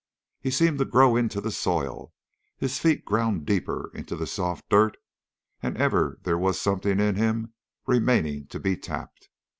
He seemed to grow into the soil, and his feet ground deeper into the soft dirt, and ever there was something in him remaining to be tapped.